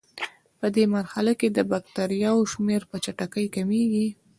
پدې مرحله کې د بکټریاوو شمېر په چټکۍ کمیږي.